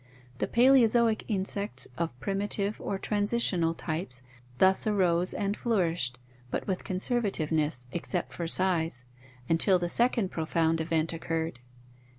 The Paleozoic insects of primitive or transitional types thus arose and flourished but with conserva tiveness, except for size, until the second profound event occurred.